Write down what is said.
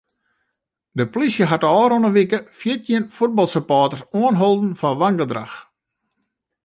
De plysje hat de ôfrûne wike fjirtjin fuotbalsupporters oanholden foar wangedrach.